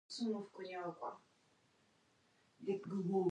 Hello My name is Jibrail